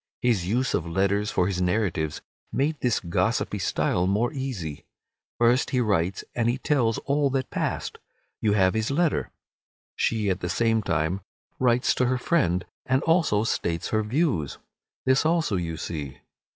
His use of letters for his narratives made this gossipy style more easy. First he writes and he tells all that passed. You have his letter. She at the same time writes to her friend, and also states her views. This also you see.